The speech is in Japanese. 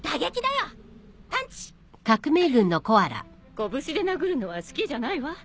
拳で殴るのは好きじゃないわ。